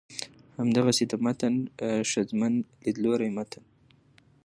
همدغسې د متن ښځمن ليدلورى متن